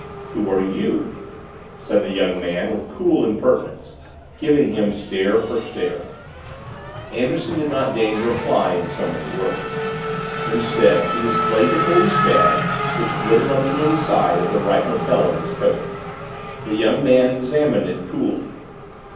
"Who are you?" said the young man with cool impertinence, giving him stare for stare. Anderson did not deign to reply, in so many words. Instead he displayed the police badge which glittered on the inside of the right lapel of his coat. The young man examined it coolly.